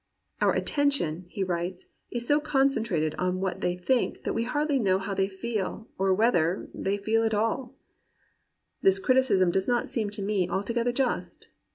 "Our attention," he writes, "is so concentrated on what they think that we hardly know how they feel, or whether ... they 160 GEORGE ELIOT AND REAL WOMEN feel at all." This criticism does not seem to me alto gether just.